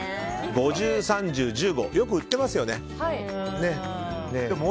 ５０、３０、１５よく売ってますよね。